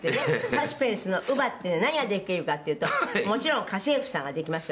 「サスペンスの乳母って何ができるかっていうともちろん家政婦さんができますよね」